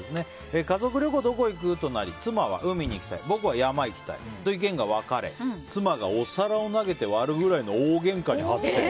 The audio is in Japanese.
家族旅行どこ行く？となり妻は海に行きたい僕は山に行きたいと意見が分かれ妻がお皿を投げて割るくらいの大げんかに発展。